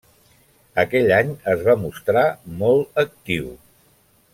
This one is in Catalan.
Aquell any es va mostrar molt actiu.